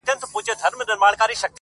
هسي نه چي زه در پسې ټولي توبې ماتي کړم,